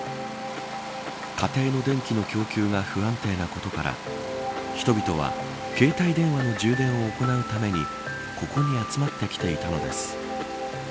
家庭の電気の供給が不安定なことから人々は携帯電話の充電を行うためにここに集まってきていたのです。